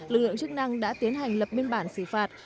lực lượng chức năng đã tiến hành lập biên bản xử phạt